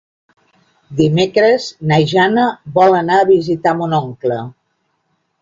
Dimecres na Jana vol anar a visitar mon oncle.